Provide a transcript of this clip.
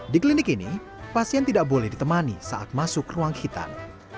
di klinik ini pasien tidak boleh ditemani saat masuk ruang hitam